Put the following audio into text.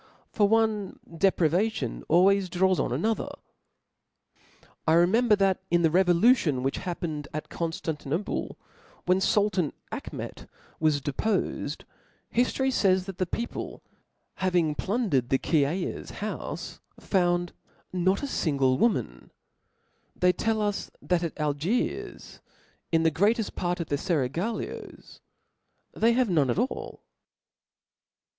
for one depravation always draws on another I remem ber that in the revolution which happened at Con ftantinople, when fultan Achm^t was depofec), hiftqry fays, that the people having plundered the Kiaya's houfe, they found not a (jngje woman; (0 Hi*, of they tell us that at (^) Algiers, in the greateft part £gic7d/pf t^cir fcraglios, they have none at all.